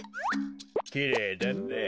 きれいだねえ